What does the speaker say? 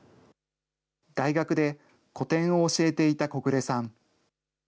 大学で古典を教えていた小暮さん。